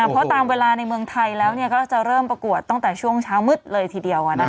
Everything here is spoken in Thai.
เพราะตามเวลาในเมืองไทยแล้วก็จะเริ่มประกวดตั้งแต่ช่วงเช้ามืดเลยทีเดียว